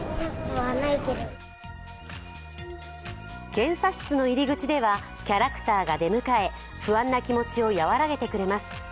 検査室の入り口ではキャラクターが出迎え不安な気持ちを和らげてくれます。